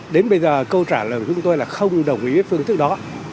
đến bây giờ câu trả lời của chúng tôi là không đồng ý phương thức đó